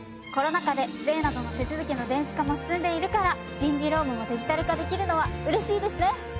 コロナ禍で税などの手続きの電子化も進んでいるから人事労務もデジタル化できるのは嬉しいですね！